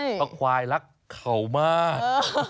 เพราะควายรักเขามาก